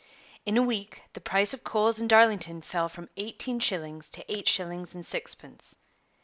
In a week the price of coals in Darlington fell from eighteen shillings to eight shillings and sixpence.